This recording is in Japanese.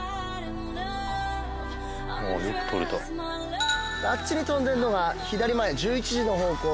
白鷺あっちに飛んでんのが左前１１時の方向